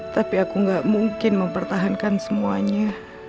tapi aku gak mungkin mempertahankan semuanya